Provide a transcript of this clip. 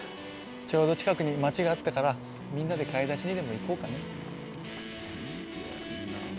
ちょうど近くに街があったからみんなで買い出しにでも行こうかね。